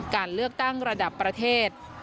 การเลือกตั้งระดับประเทศ